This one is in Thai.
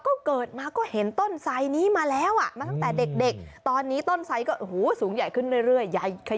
ก็เกิดมาก็เห็นต้นไซดนี้มาแล้วอ่ะมาตั้งแต่เด็กตอนนี้ต้นไซดก็สูงใหญ่ขึ้นเรื่อย